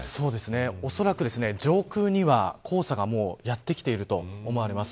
おそらく上空には、黄砂がもうやってきていると思います。